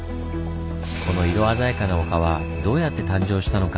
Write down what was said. この色鮮やかな丘はどうやって誕生したのか？